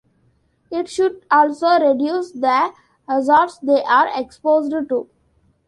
It should also reduce the hazards they are exposed to.